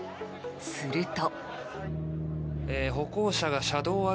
すると。